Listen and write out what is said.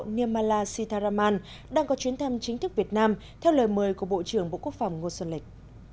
niamala sitaraman đang có chuyến thăm chính thức việt nam theo lời mời của bộ trưởng bộ quốc phòng ngô xuân lịch